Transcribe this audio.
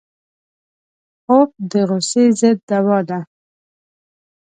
خوب د غصې ضد دوا ده